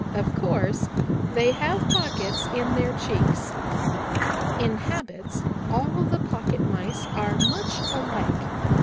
Of course, they have pockets in their cheeks. "In habits all the Pocket Mice are much alike.